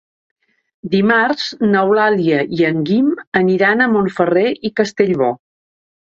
Dimarts n'Eulàlia i en Guim aniran a Montferrer i Castellbò.